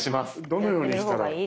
どのようにしたら？